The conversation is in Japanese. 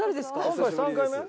今回３回目？